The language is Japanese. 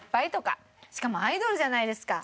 しかもアイドルじゃないですか。